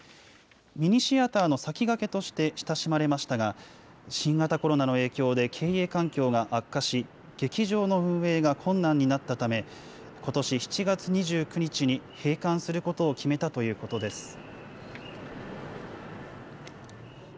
ミニシアターの先駆けとして親しまれましたが、新型コロナの影響で経営環境が悪化し、劇場の運営が困難になったため、ことし７月２９日に閉館することを決めたということです。